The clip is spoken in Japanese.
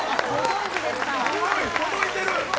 すごい、届いてる！